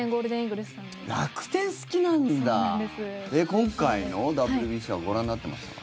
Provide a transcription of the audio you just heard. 今回のＷＢＣはご覧になってましたか？